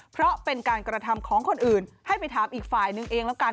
เพราะเป็นการกระทำของคนอื่นให้ไปถามอีกฝ่ายนึงเองแล้วกัน